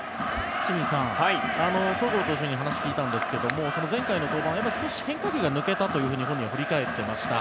清水さん、戸郷投手に話を聞いたんですけど前回の登板は少し変化球が抜けたと本人は振り返っていました。